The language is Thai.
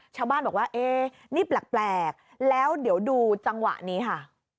ชาวบ้านบอกว่าเอ๊นี่แปลกแล้วเดี๋ยวดูจังหวะนี้ค่ะ